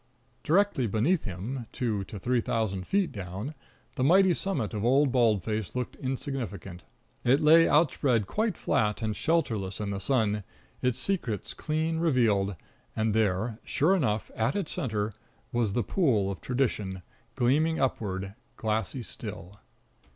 Directly beneath him, two to three thousand feet down, the mighty summit of Old Bald Face looked insignificant. It lay outspread quite flat and shelterless in the sun, its secrets clean revealed, and there, sure enough, at its center, was the pool of tradition, gleaming upward, glassy still.